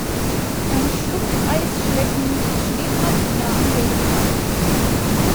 Ein Schlumpfeis schleckend steht Martina am Wegesrand.